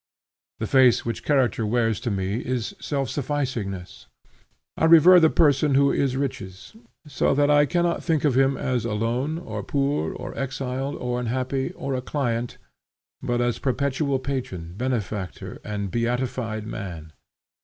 The face which character wears to me is self sufficingness. I revere the person who is riches; so that I cannot think of him as alone, or poor, or exiled, or unhappy, or a client, but as perpetual patron, benefactor, and beatified man.